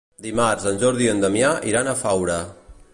Dimarts en Jordi i en Damià iran a Faura.